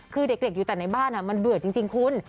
คือเด็กอยู่แต่ในบ้านมันเบื่อจริงคุณ